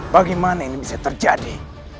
bagaimana ini bisa terjadi